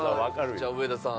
じゃあ上田さん。